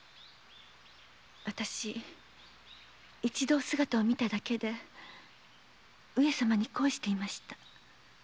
わたし一度お姿を見ただけで上様に恋していました。